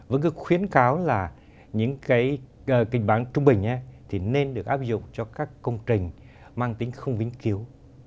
với cái khuyến cáo là những cái kịch bản trung bình thì nên được áp dụng cho các công trình mang tính không vĩnh cứu